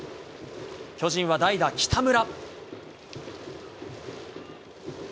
巨人は代打、北村。